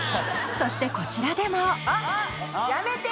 そしてこちらでもやめて！